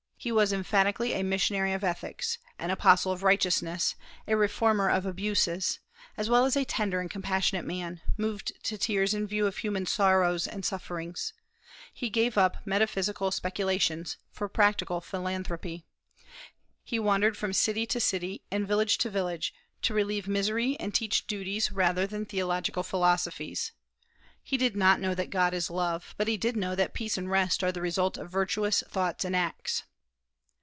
He was emphatically a missionary of ethics, an apostle of righteousness, a reformer of abuses, as well as a tender and compassionate man, moved to tears in view of human sorrows and sufferings. He gave up metaphysical speculations for practical philanthropy. He wandered from city to city and village to village to relieve misery and teach duties rather than theological philosophies. He did not know that God is love, but he did know that peace and rest are the result of virtuous thoughts and acts.